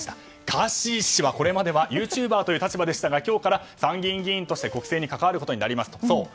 ガーシー氏はこれまでユーチューバーという立場でしたが今日から参議院議員として国政に関わることとなります。